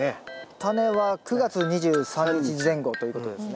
タネは９月２３日前後ということですね。